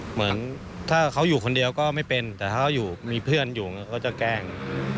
เหมือนถ้าเขาอยู่คนเดียวก็ไม่เป็นแต่ถ้าเขาอยู่มีเพื่อนอยู่เขาจะแกล้ง